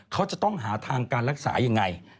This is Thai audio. เขาจะต้องหาทางการรักษายังไง